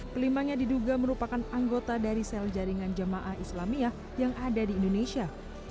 kelimanya diduga merupakan anggota dari sel jaringan jamaah islamiyah yang ada di indonesia